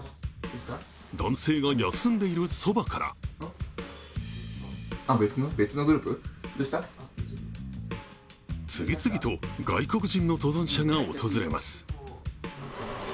男性が休んでいるそばから次々と外国人の登山者が訪れます。